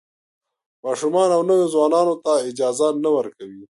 ماشومانو او نویو ځوانانو ته اجازه نه ورکوي.